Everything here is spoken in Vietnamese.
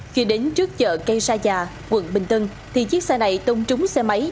khi đến trước chợ cây sa già quận bình tân thì chiếc xe này tông trúng xe máy